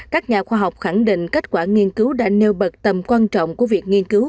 các nhà khoa học khẳng định kết quả nghiên cứu đã nêu bật tầm quan trọng của việc nghiên cứu